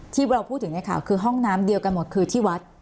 ที่เราพูดถึงในข่าวคือห้องน้ำเดียวกันหมดคือที่วัด